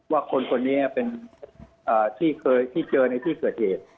ว่าคนนี้เป็นที่เจอในที่เกิดเหตุ